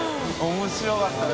面白かったな。